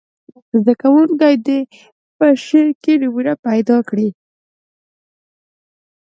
زده کوونکي دې په شعر کې نومونه پیداکړي.